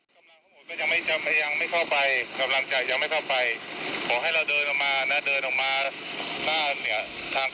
ตอนเนี้ยทุกส่วนมันมาล้อมเรือนกรรมให้หมดแล้วนะเราไม่ต้องมาจะหนีออกรอดไปได้เลยนะ